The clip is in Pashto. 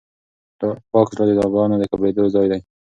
پاک زړه د دعاګانو د قبلېدو ځای دی.